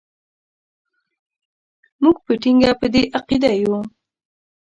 موږ په ټینګه په دې عقیده یو.